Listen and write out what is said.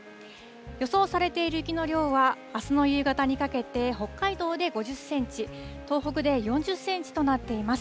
予想されている雪の量は、あすの夕方にかけて、北海道で５０センチ、東北で４０センチとなっています。